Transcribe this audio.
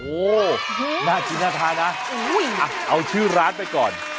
โอ๊ยหน้าชินทางนะโอ้ยเอาชื่อร้านไปก่อน